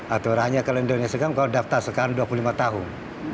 aturannya kalau indonesia kan kalau daftar sekarang dua puluh lima tahun